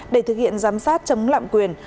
để thực hiện giám sát chống lạm quyền